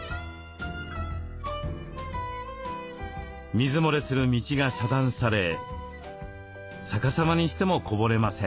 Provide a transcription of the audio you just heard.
水漏れする道が遮断され逆さまにしてもこぼれません。